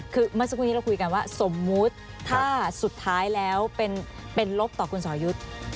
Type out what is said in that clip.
คือเมื่อสักครู่นี้เราคุยกันว่าสมมุติถ้าสุดท้ายแล้วเป็นลบต่อคุณสอยุทธ์